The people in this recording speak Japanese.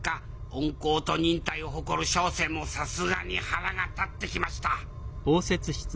温厚と忍耐を誇る小生もさすがに腹が立ってきました